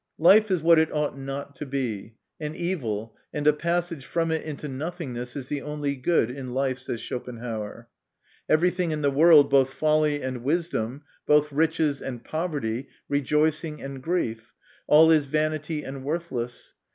Life is what it ought not to be ;" an evil, and a passage from it into nothingness is the only good in life," says Schopenhauer. Every thing in the world, both folly and wisdom, both riches and poverty, rejoicing and grief, all is vanity and worthless.